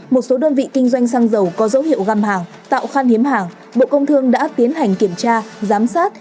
một số đơn vị kinh doanh xăng dầu có dấu hiệu găm hàng tạo khan hiếm hàng bộ công thương đã tiến hành kiểm tra giám sát